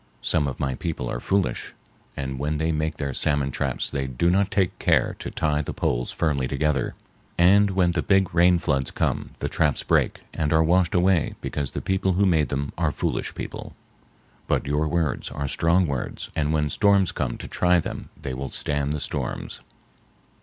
Some of my people are foolish, and when they make their salmon traps they do not take care to tie the poles firmly together, and when the big rain floods come the traps break and are washed away because the people who made them are foolish people. But your words are strong words and when storms come to try them they will stand the storms."